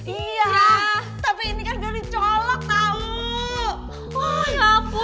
iya tapi ini kan udah dicolok tau